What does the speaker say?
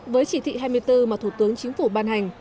với chỉ thị hai mươi bốn mà thủ tướng chính phủ ban hành